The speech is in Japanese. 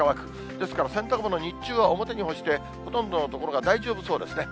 ですから午前中、洗濯物干して、ほとんどの所が大丈夫そうですね。